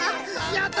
やった！